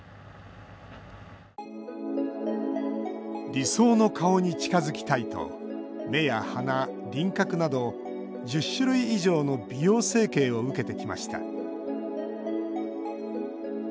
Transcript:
理想の顔に近づきたいと目や鼻、輪郭など１０種類以上の美容整形を受けてきました。